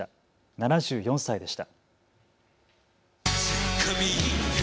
７４歳でした。